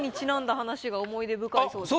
思い出深いそうですね。